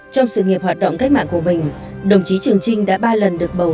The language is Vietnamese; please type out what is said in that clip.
trong sự nghiệp hoạt động cách mạng của mình đồng chí trường trinh đã ba lần được bầu